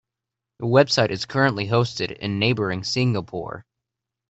The website is currently hosted in neighbouring Singapore.